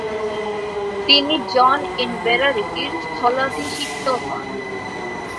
তিনি জন ইনভেরারিটি’র স্থলাভিষিক্ত হন।